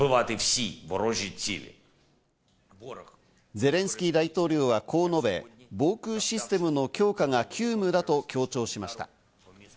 ゼレンスキー大統領はこう述べ、防空システムの強化が急務だと強調しました。